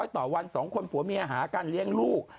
ต่อวัน๒คนผัวเมียหาการเลี้ยงลูก